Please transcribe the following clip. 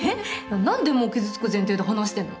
何でもう傷つく前提で話してんの。